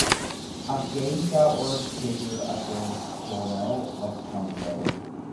A game that was scheduled against Cornell was cancelled.